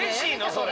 それ。